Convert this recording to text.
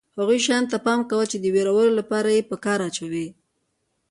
هغو شیانو ته پام کوه چې د وېرولو لپاره یې په کار اچوي.